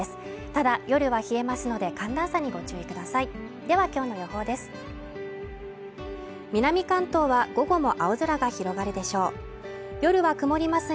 ただ夜は冷えますので寒暖差にご注意くださいではきょうの予報です